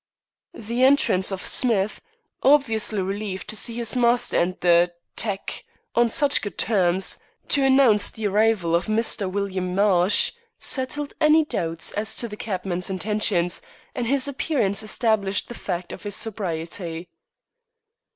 The entrance of Smith obviously relieved to see his master and the "tec" on such good terms to announce the arrival of "Mr. William Marsh," settled any doubts as to the cabman's intentions, and his appearance established the fact of his sobriety.